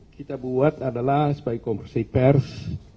kita buat adalah sebagai konversi pers